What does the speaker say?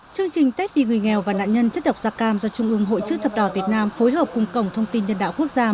chương trình tết vì người nghèo và nạn nhân chất độc gia cam do trung ương hội chữ thập đỏ việt nam phối hợp cùng cổng thông tin nhân đạo quốc gia một nghìn bốn trăm linh